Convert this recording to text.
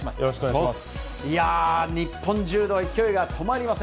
いやー、日本柔道、勢いが止まりません。